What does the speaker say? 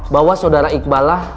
bahwa saudara iqbalah